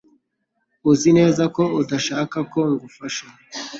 Uzi neza ko udashaka ko ngufasha